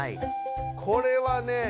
これはね